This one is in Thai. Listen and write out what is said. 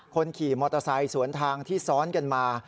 คนขี่มอเตอร์ไซค์สวนทางที่ซ้อนกันมา